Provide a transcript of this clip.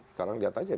sekarang lihat aja